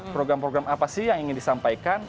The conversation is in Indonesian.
program program apa sih yang ingin disampaikan